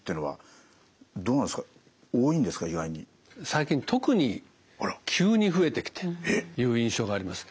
最近特に急に増えてきていう印象があります。